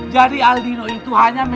jadi al dino itu hanya